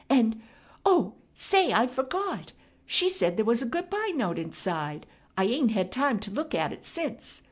And Oh, say, I fergot! She said there was a good bye note inside. I ain't had time to look at it since.